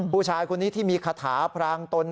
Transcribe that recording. ผู้ชายคนนี้ที่มีคาถาพรางตน